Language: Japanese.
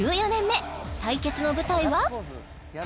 １４年目対決の舞台は？